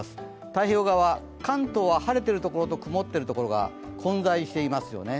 太平洋側は関東は晴れているところと曇っているところが混在していますよね。